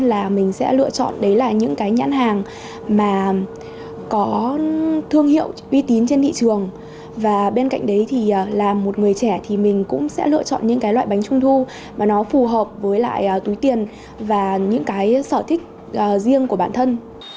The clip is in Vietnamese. là một người trẻ thì mình cũng sẽ lựa chọn những loại bánh trung thu mà nó phù hợp với lại túi tiền và những sở thích riêng của bản thân